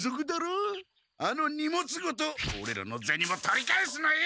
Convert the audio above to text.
あの荷物ごとオレらのゼニも取り返すのよ！